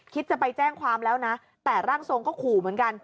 จะไปแจ้งความแล้วนะแต่ร่างทรงก็ขู่เหมือนกัน